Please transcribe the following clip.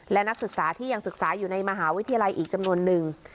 และนักศึกษาที่ยังศึกษาอยู่ในมหาวิทยาลัยอีกจำนวนนึง